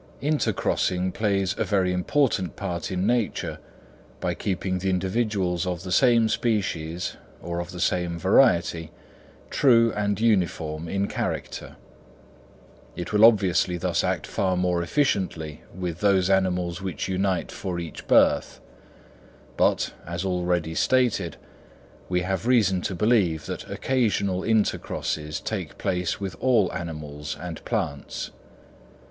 Intercrossing plays a very important part in nature by keeping the individuals of the same species, or of the same variety, true and uniform in character. It will obviously thus act far more efficiently with those animals which unite for each birth; but, as already stated, we have reason to believe that occasional intercrosses take place with all animals and plants.